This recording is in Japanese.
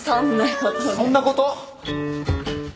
そんなことで